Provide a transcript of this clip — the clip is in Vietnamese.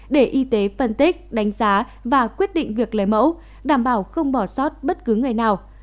để y tế phân tích đánh giá và quyết định việc lấy mẫu đảm bảo không bỏ sót bất cứ người nào